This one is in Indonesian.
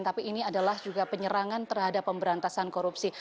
tapi ini adalah juga penyerangan terhadap pemberantasan korupsi